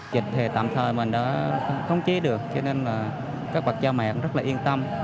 dịch thì tạm thời mình đã khống chế được cho nên là các bậc cha mẹ cũng rất là yên tâm